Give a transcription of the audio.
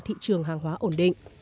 thị trường hàng hóa ổn định